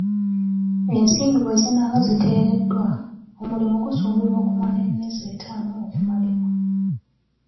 Ensimbi bwe zinaaba ziteereddwa, omulimu gusuubirwa okumala emyezi etaano okumalibwa